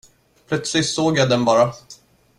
Plötsligt så såg jag dem bara.